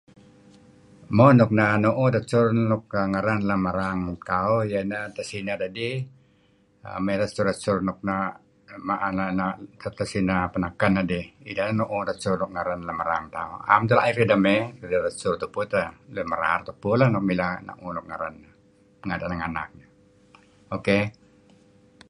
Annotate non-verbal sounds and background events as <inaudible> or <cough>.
Mo, nuk neh nu'uh desur nuk ngeren lem erang lun tauh ieh ineh tesineh dedih mey desur-desur nuk na' <unintelligible> tesineh menaken dedih. 'Am dela'ih kedideh mey. Idet desur tupu teh. Lun merar tupu leh nuk mileh renga' ideh nenganak. ok.